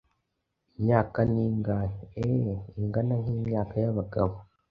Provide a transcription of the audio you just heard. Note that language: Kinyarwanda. Imyaka n ingahe, ee ingana nkimyaka yabagabo,